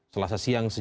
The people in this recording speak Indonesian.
selasa siang sejak ini